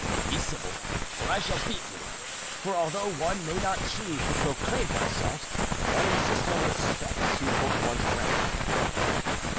"Be civil, or I shall beat you; for although one may not choose to proclaim oneself, one insists on respect suitable to one's rank."